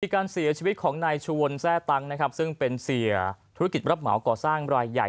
การเสียชีวิตของนายชวนแทร่ตังนะครับซึ่งเป็นเสียธุรกิจรับเหมาก่อสร้างรายใหญ่